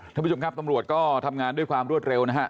ท่านผู้ชมครับตำรวจก็ทำงานด้วยความรวดเร็วนะฮะ